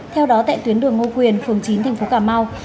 theo đó tại tuyến đường ngô quyền phường chín thành phố cà mau